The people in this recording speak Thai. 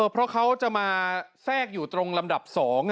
เพราะเขาจะมาแทรกอยู่ตรงลำดับ๒